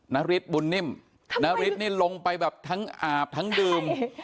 นาริสบุญนิ่มนาริสนี่ลงไปแบบทั้งอาบทั้งดื่ม